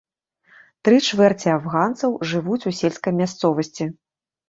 Тры чвэрці афганцаў жывуць у сельскай мясцовасці.